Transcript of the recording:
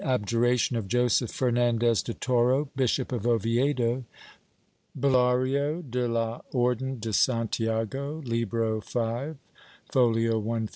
Abjuration of Joseph Fernandez de Toro, Bishop op Oviedo. (Bulario de la Orclen de Santiago, Libro V, fol. 150). (See p.